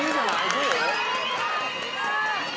どう？